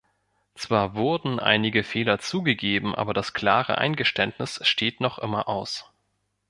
Zwar wurden einige Fehler zugegeben, aber das klare Eingeständnis steht noch immer aus.